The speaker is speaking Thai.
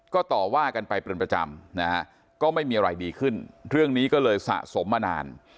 ก็ต่อว่ากันไปเป็นประจำนะฮะก็ไม่มีอะไรดีขึ้นเรื่องนี้ก็เลยสะสมมานาน